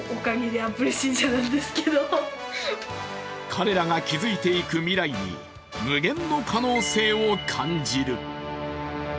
彼らが築いていく未来に無限の可能性を感じる。